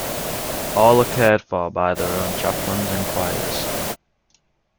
All are cared for by their own chaplains and choirs.